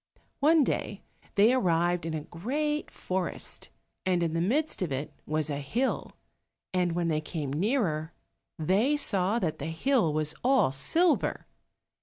One day they arrived in a great forest, and in the midst of it was a hill, and when they came nearer they saw that the hill was all silver.